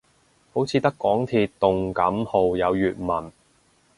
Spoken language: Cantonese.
好似得港鐵動感號有粵文